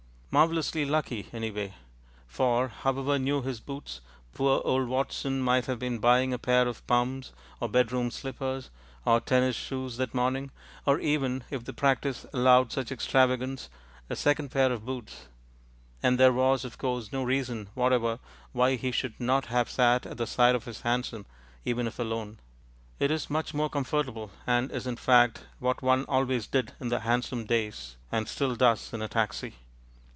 Marvellously lucky, anyway. For, however new his boots, poor old Watson might have been buying a pair of pumps, or bedroom slippers, or tennis shoes that morning, or even, if the practice allowed such extravagance, a second pair of boots. And there was, of course, no reason whatever why he should not have sat at the side of his hansom, even if alone. It is much more comfortable, and is, in fact, what one always did in the hansom days, and still does in a taxi.